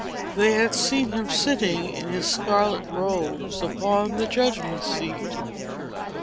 They had seen him sitting, in his scarlet robes, upon the judgment seat.